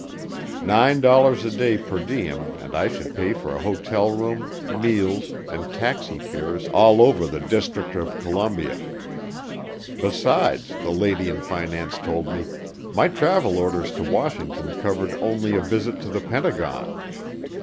Nine dollars a day per diem and I should pay for a hotel room, meals, and taxi fares all over the District of Columbia. Besides, the lady in finance told me, my travel orders to Washington covered only a visit to the Pentagon.